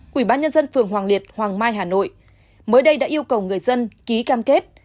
quỹ ban nhân dân phường hoàng liệt hoàng mai hà nội mới đây đã yêu cầu người dân ký cam kết